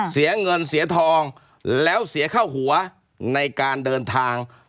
เสียเงินเสียทอง